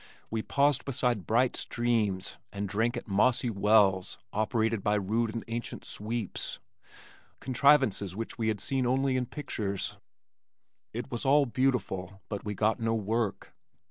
We paused beside bright streams, and drank at mossy wells operated by rude and ancient sweeps, contrivances which we had seen only in pictures. It was all beautiful, but we got no work.